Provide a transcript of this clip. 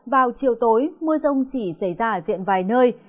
vào chiều tối mưa rông chỉ xảy ra ở diện vài nơi